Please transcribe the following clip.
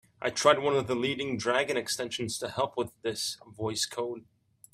I tried one of the leading Dragon extensions to help with this, Voice Code.